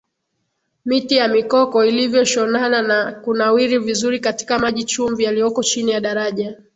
Miti ya Mikoko ilivyoshonana na kunawiri vizuri katika maji chumvi yaliyoko chini ya daraja